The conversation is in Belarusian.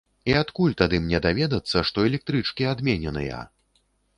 І адкуль тады мне даведацца, што электрычкі адмененыя?